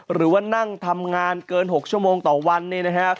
หรือว่านั่งทำงานเกิน๖ชั่วโมงต่อวันเนี่ยนะฮะ